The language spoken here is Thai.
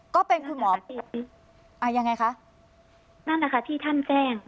ก็เป็นคุณหมออ่ายังไงคะนั่นนะคะที่ท่านแจ้ง